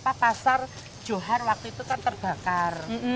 pasar johar waktu itu kan terbakar